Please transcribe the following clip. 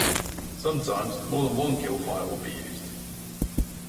Sometimes more than one kill file will be used.